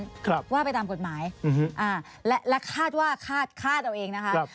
ครับว่าไปตามกฎหมายและคาดว่าคาดเอาเองนะคะ